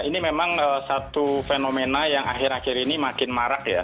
ini memang satu fenomena yang akhir akhir ini makin marak ya